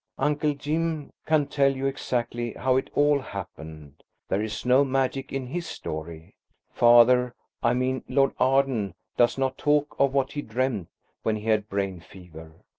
Uncle Jim can tell you exactly how it all happened. There is no magic in his story. Father–I mean Lord Arden–does not talk of what he dreamed when he had brain fever.